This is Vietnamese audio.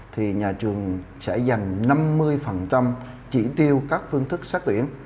thì nhà trường sẽ dành năm mươi chỉ tiêu các phương thức xét tuyển